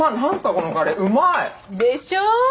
このカレーうまい！でしょ？